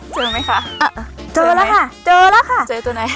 เจอไหมคะเจอแล้วค่ะเจอแล้วค่ะเจอตัวไหน